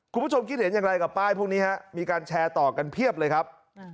คุณผู้ชมคิดเห็นอย่างไรกับป้ายพวกนี้ฮะมีการแชร์ต่อกันเพียบเลยครับ